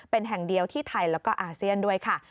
เป็นแห่งเดียวที่ไทยแล้วก็อาเซียนด้วยค่ะ